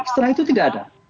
setelah itu tidak ada